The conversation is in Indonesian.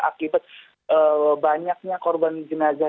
akibat banyaknya korban jenazah